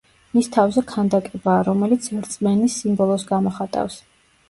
მის თავზე ქანდაკებაა, რომელიც რწმენის სიმბოლოს გამოხატავს.